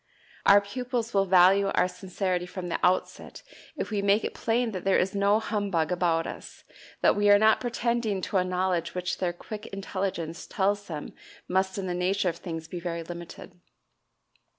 Our pupils will value our sincerity from the outset if we make it plain that there is no humbug about us, that we are not pretending to a knowledge which their quick intelligence tells them must in the nature of things be very limited.